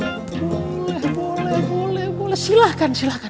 boleh boleh boleh boleh silahkan silahkan